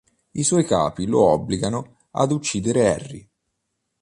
I suoi capi lo obbligano ad uccidere Harry.